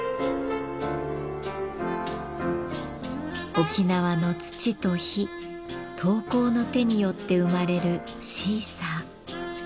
沖縄の土と火陶工の手によって生まれるシーサー。